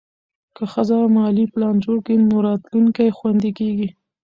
که ښځه مالي پلان جوړ کړي، نو راتلونکی خوندي کېږي.